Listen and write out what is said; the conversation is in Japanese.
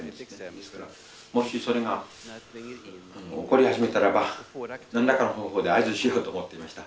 ですからもしそれが起こり始めたらば何らかの方法で合図しようと思っていました。